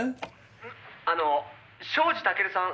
「あの庄司タケルさん